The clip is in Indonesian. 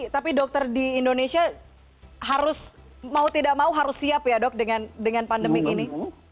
tapi dokter di indonesia harus mau tidak mau harus siap ya dok dengan pandemi ini